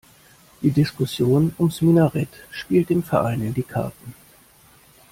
Die Diskussion ums Minarett spielt dem Verein in die Karten.